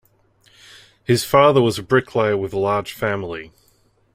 His father was a bricklayer with a large family.